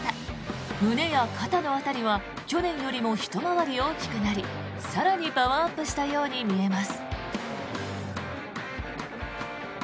胸や肩の辺りは去年よりもひと回り大きくなり更にパワーアップしたように見えます。